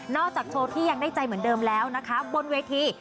จากโชว์ที่ยังได้ใจเหมือนเดิมแล้วนะคะบนเวที